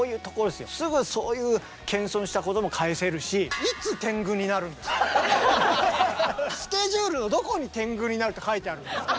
すぐそういう謙遜したことも返せるしスケジュールのどこに天狗になるって書いてあるんですか。